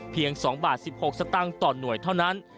๒บาท๑๖สตางค์ต่อหน่วยเท่านั้น